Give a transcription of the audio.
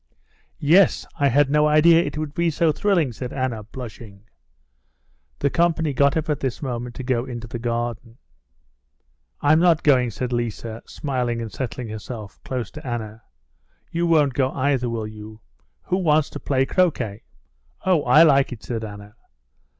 "Yes; I had no idea it would be so thrilling," said Anna, blushing. The company got up at this moment to go into the garden. "I'm not going," said Liza, smiling and settling herself close to Anna. "You won't go either, will you? Who wants to play croquet?" "Oh, I like it," said Anna.